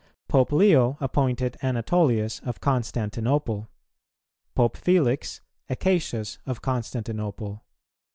Pope Leo appointed Anatolius of Constantinople; Pope Felix, Acacius of Constantinople.